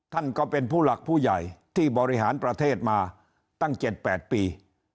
ท่านก็เป็นผู้หลักผู้ใหญ่ที่บริหารประเทศมาตั้ง๗๘ปี